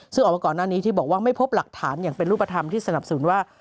ซึ่งออกมาก่อนหน้านี้ที่บอกว่าไม่พบหลักฐานอย่างเป็นรูปธรรมที่สนับสนุนว่า